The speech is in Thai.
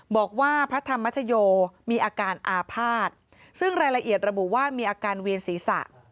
บอกว่าพระธรรมชโยมีอาการอาภาษณ์ซึ่งรายละเอียดระบุว่ามีอาการเวียนศีรษะ